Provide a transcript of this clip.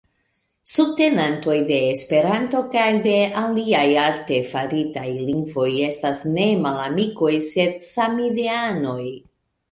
Subtenantoj de Esperanto kaj de aliaj artefaritaj lingvoj estas ne malamikoj, sed samideanoj.